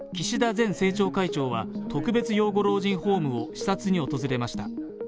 前政調会長は特別養護老人ホームを視察に訪れました。